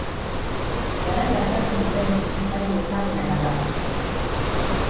Garai hartako ingeles musikari ezagunena da.